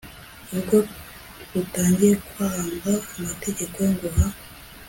ubwo utangiye kwanga amategeko nguha